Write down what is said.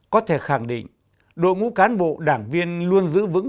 có thể khẳng định đội ngũ cán bộ đảng viên luôn giữ vững